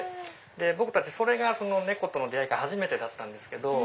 僕たちそれが猫との出会いが初めてだったんですけど。